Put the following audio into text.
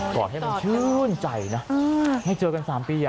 ขอให้มันชื่นใจนะให้เจอกัน๓ปี